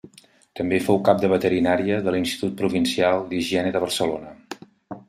També fou cap de veterinària de l'Institut Provincial d'Higiene de Barcelona.